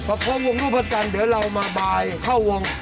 พอพร้อมวงรูปพระจันทร์เดี๋ยวเรามาบายเข้าวง